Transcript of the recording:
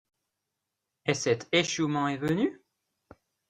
Et cet échouement est venu?...